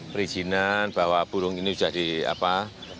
perizinan bahwa burung ini sudah berkembang